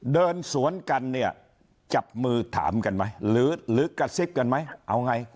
เดินสวนกันเนี่ยจับมือถามกันไหมหรือกระซิบกันไหมเอาไง